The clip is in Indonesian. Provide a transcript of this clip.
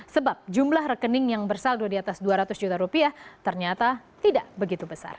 sebab jumlah rekening yang bersaldo di atas dua ratus juta rupiah ternyata tidak begitu besar